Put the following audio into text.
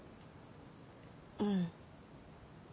うん。